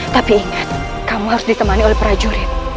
tapi ingat kamu harus ditemani oleh prajurit